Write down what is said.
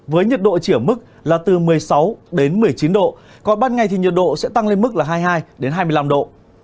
với nhiệt độ chỉ ở mức là từ một mươi sáu đến một mươi chín độ còn ban ngày thì nhiệt độ sẽ tăng lên mức là hai mươi hai hai mươi năm độ